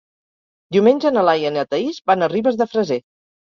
Diumenge na Laia i na Thaís van a Ribes de Freser.